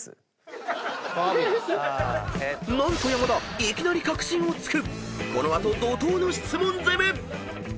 ［何と山田いきなり核心を突く］